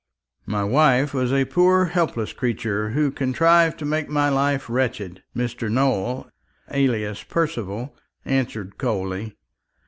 "My wife was a poor helpless creature, who contrived to make my life wretched," Mr. Nowell, alias Percival, answered coolly.